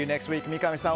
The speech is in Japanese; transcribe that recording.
三上さん